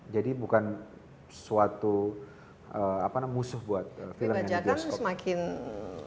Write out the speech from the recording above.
jadi bukan suatu musuh buat film yang di bioskop